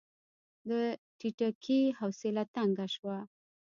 د ټيټکي حوصله تنګه شوه.